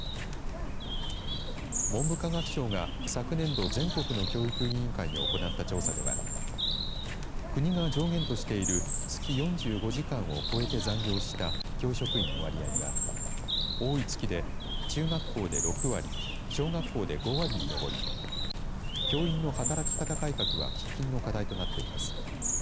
文部科学省が昨年度、全国の教育委員会に行った調査では国が上限としている月４５時間を超えて残業した、教職員の割合は多い月で中学校で６割小学校で５割に上り教員の働き方改革は喫緊の課題となっています。